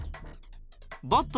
バット。